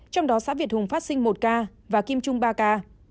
trong đó xã việt hùng phát sinh một ca và kim trung ba ca